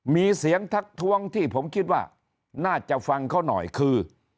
มีเสียงทักท้วงที่ผมคิดว่าน่าจะฟังเขาหน่อยคือ